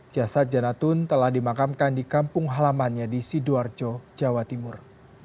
jasad janatun telah dimakamkan di kampung halamannya di sidoarjo jawa timur